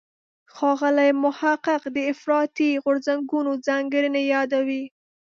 ښاغلی محق د افراطي غورځنګونو ځانګړنې یادوي.